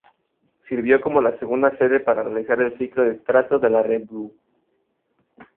Sirvió como la segunda sede para realizar el ciclo de teatro de la Revue.